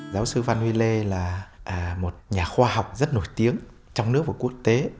giáo sư phan huy lê là một nhà khoa học rất nổi tiếng trong nước và quốc tế